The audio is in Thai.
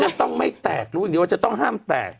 จะต้องไม่แตกรู้อย่างเดียวว่าจะต้องห้ามแตก